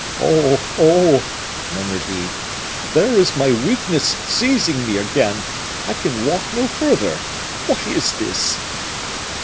"Oh! oh!" murmured he, "there is my weakness seizing me again! I can walk no further! What is this?"